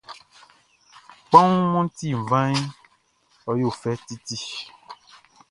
Kpanwun mʼɔ ti nvanʼn, ɔ yo fɛ titi.